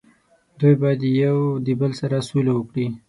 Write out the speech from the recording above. دوي باید یو د بل سره سوله وکړي